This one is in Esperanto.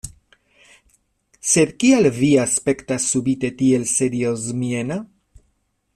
Sed kial vi aspektas subite tiel seriozmiena?